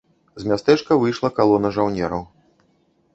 З мястэчка выйшла калона жаўнераў.